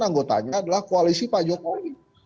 anggotanya adalah koalisi pak jokowi